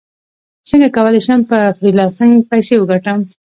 څنګه کولی شم په فریلانسینګ پیسې وګټم